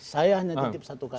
saya hanya mencetip satu kata